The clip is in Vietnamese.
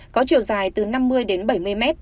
có chiều dài từ năm mươi đến bảy mươi mét